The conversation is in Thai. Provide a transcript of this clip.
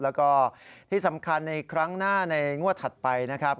แล้วก็ที่สำคัญในครั้งหน้าในงวดถัดไปนะครับ